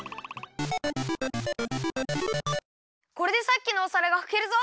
これでさっきのお皿がふけるぞ！